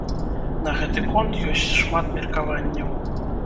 На гэты конт ёсць шмат меркаванняў.